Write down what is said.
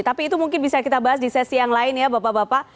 tapi itu mungkin bisa kita bahas di sesi yang lain ya bapak bapak